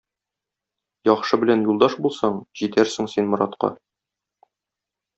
Яхшы белән юлдаш булсаң, җитәрсең син моратка